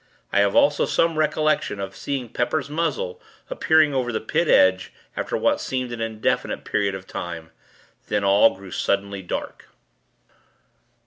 I have also some recollection of seeing Pepper's muzzle, appearing over the Pit edge, after what seemed an indefinite period of time. Then, all grew suddenly dark.